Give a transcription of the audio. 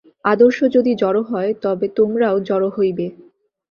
আদর্শ যদি জড় হয়, তবে তোমরাও জড় হইবে।